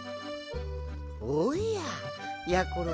おややころ